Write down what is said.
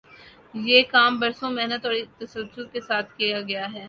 یہ کام برسوں محنت اور تسلسل کے ساتھ کیا گیا ہے۔